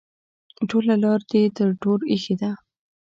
ټوله لار دې ټر ټور ایښی ده.